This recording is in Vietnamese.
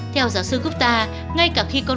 theo giáo sư gupta ngay cả khi có